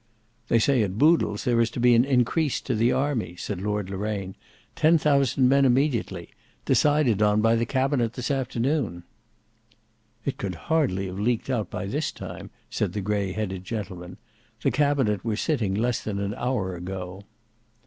"They say at Boodle's there is to be an increase to the army," said Lord Loraine, "ten thousand men immediately; decided on by the cabinet this afternoon." "It could hardly have leaked out by this time," said the grey headed gentleman. "The cabinet were sitting less than an hour ago."